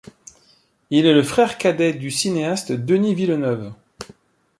Il est le frère cadet du cinéaste Denis Villeneuve.